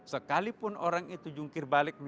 sekalipun orang itu jungkir balik